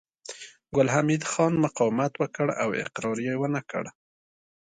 ګل حمید خان مقاومت وکړ او اقرار يې ونه کړ